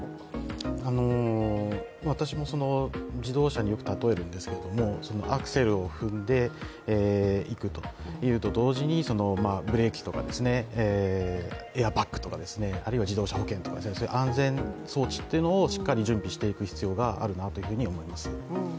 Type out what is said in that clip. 私も自動車によく例えるんですけれども、アクセルを踏むのと同時にブレーキとかエアバックとか自動車保険とか、そういう安全装置っていうのをしっかり準備していく必要があるなと思います